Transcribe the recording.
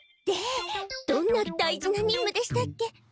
でどんな大事なにんむでしたっけ？